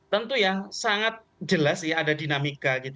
tentu ya sangat jelas ada dinamika